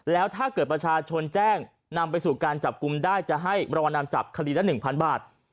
แล้วถ้าเกิดประชาชนแจ้งนำไปสู่การจับกลุ่มได้จะให้รางวัลนำจับคดีละ๑๐๐บาท